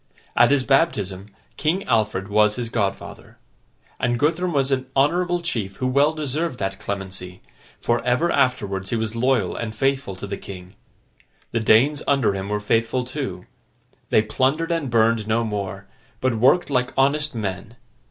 At his baptism, King Alfred was his godfather. And Guthrum was an honourable chief who well deserved that clemency; for, ever afterwards he was loyal and faithful to the king. The Danes under him were faithful too. They plundered and burned no more, but worked like honest men.